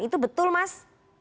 itu betul mas